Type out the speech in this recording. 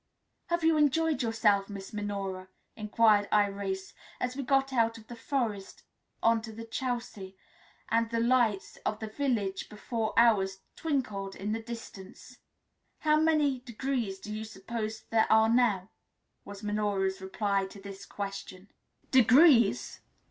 "Have you enjoyed yourself, Miss Minora?' inquired Irais, as we got out of the forest on to the chaussee, and the lights of the village before ours twinkled in the distance. "How many degrees do you suppose there are now?" was Minora's reply to this question. "Degrees?